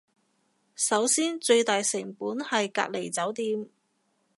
首先最大成本係隔離酒店